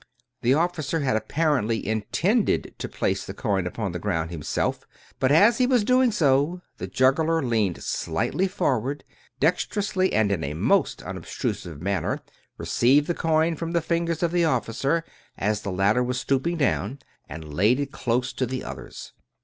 The officer had apparently intended to place the coin upon the ground himself, but as he was doing so, the juggler leaned slightly forward, dexterously and in a most unobtrusive manner received the coin from the fin gers of the officer, as the latter was stooping down, and laid it close to the others.